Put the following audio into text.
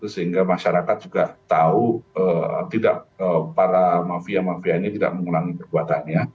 sehingga masyarakat juga tahu para mafia mafia ini tidak mengulangi perbuatannya